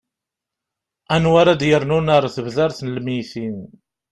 anwa ara d-yernun ar tebdart n lmeyytin